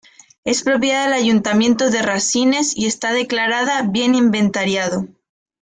Es propiedad del Ayuntamiento de Rasines y está declarada Bien Inventariado.